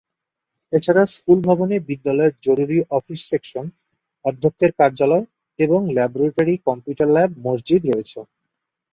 এছাড়া স্কুল ভবনে বিদ্যালয়ের জরুরী অফিস সেকশন, অধ্যক্ষের কার্যালয় এবং ল্যাবরেটরি, কম্পিউটার ল্যাব, মসজিদ রয়েছে।